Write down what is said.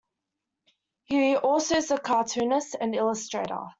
He also is a cartoonist and illustrator.